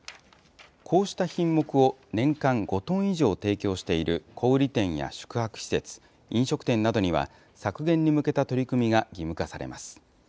こうした品目を年間５トン以上提供している小売り店や宿泊施設、飲食店などには、削減に向けた取り組みが義務化されます。